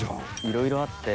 いろいろあって。